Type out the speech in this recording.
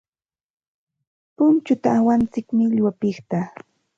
Punchuta awantsik millwapiqta.